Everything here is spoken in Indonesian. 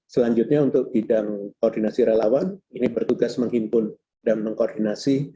selanjutnya untuk bidang koordinasi relawan ini bertugas menghimpun dan mengkoordinasi